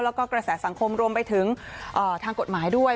แล้วก็กระแสสังคมรวมไปถึงทางกฎหมายด้วย